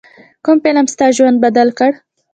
کوم فلم ستا ژوند بدل کړ.